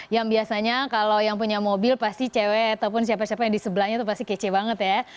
yang biasanya kalau yang punya mobil pasti cewek ataupun siapa siapa yang di sebelahnya itu pasti kece banget ya